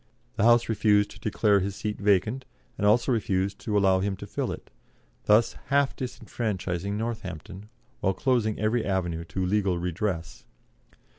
The House refused to declare his seat vacant, and also refused to allow him to fill it, thus half disfranchising Northampton, while closing every avenue to legal redress.